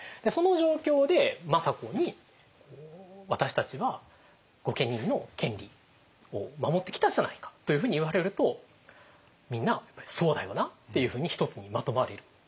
その状況で政子に私たちは御家人の権利を守ってきたじゃないかというふうに言われるとみんなそうだよなっていうふうにひとつにまとまれる。